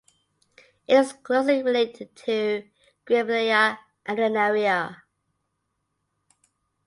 It is closely related to "Grevillea arenaria".